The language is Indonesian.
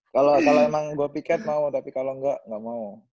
kalau emang gue piket mau tapi kalau engga ga mau